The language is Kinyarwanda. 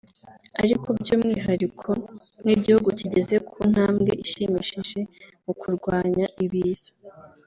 ariko by’umwihariko nk’igihugu kigeze ku ntambwe ishimishije mu kurwanya Ibiza